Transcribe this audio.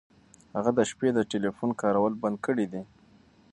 هغه د شپې د ټیلیفون کارول بند کړي دي.